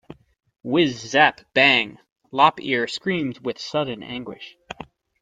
Whiz-zip-bang. Lop-Ear screamed with sudden anguish.